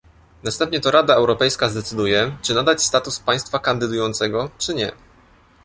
Następnie to Rada Europejska zdecyduje, czy nadać status państwa kandydującego, czy nie